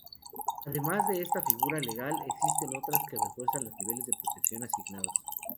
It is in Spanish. Además de esta figura legal, existen otras que refuerzan los niveles de protección asignados.